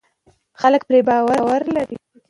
خلک پرې باور لري.